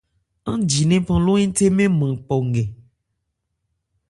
Aán ji lephan ló hɛ́nthé mɛ́n nman pɔ nkɛ.